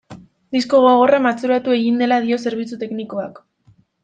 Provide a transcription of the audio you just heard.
Disko gogorra matxuratu egin dela dio zerbitzu teknikoak.